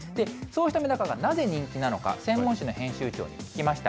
そうしたメダカがなぜ人気なのか、専門誌の編集長に聞きました。